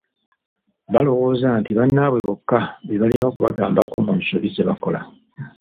Balowooza nti bannaabwe bokka be balina okubagambako mu nsobi zebakola.